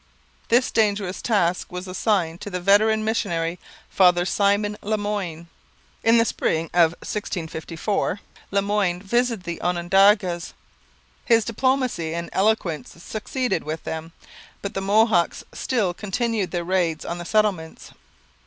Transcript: This dangerous task was assigned to the veteran missionary Father Simon Le Moyne. In the spring of 1654 Le Moyne visited the Onondagas. His diplomacy and eloquence succeeded with them, but the Mohawks still continued their raids on the settlements.